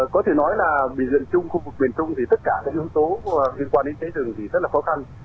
có thể nói là biểu hiện chung khu vực miền trung thì tất cả các yếu tố liên quan đến cháy rừng thì rất là khó khăn